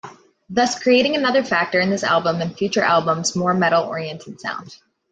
Thus creating another factor in this album and future albums' more metal-oriented sound.